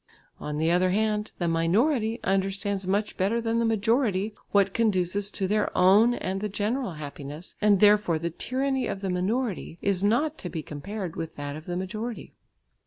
On the other hand, the minority understands much better than the majority what conduces to their own and the general happiness, and therefore the tyranny of the minority is not to be compared with that of the majority.